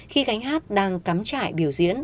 khi gánh hát đang cắm trại biểu diễn